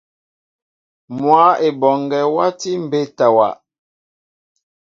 Mwă Eboŋgue wati mbétawa.